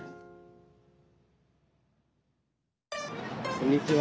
こんにちは。